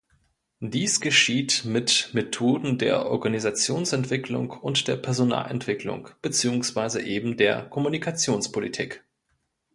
Dies geschieht mit Methoden der Organisationsentwicklung und der Personalentwicklung beziehungsweise eben der Kommunikationspolitik.